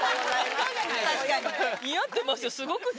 スゴく似合ってますよ。